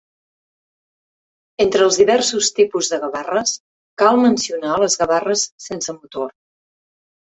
Entre els diversos tipus de gavarres cal mencionar les gavarres sense motor.